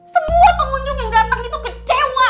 semua pengunjung yang datang itu kecewa